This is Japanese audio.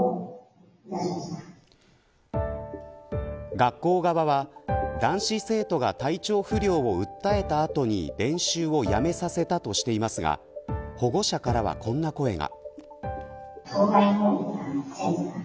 学校側は男子生徒が体調不良を訴えた後に練習をやめさせたとしていますが保護者からはこんな声が。